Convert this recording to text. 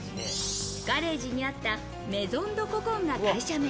ガレージにあった、「メゾンドココン」が会社名。